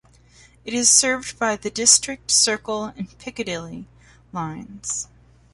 It is served by the District, Circle and Piccadilly lines.